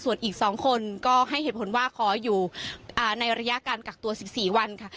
ส่วนอีก๒คนก็ให้เหตุผลว่าขออยู่ในระยะการกักตัว๑๔วันค่ะ